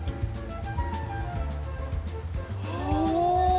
お！